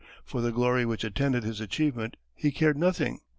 For the glory which attended his achievement he cared nothing.